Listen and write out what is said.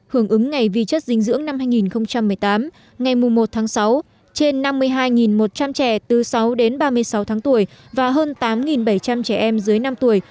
hưởng ứng ngày vì chất dinh dưỡng năm hai nghìn một mươi tám ngày một tháng sáu trên năm mươi hai một trăm linh trẻ từ sáu đến ba mươi sáu tháng tuổi và hơn tám bảy trăm linh trẻ em dưới năm tuổi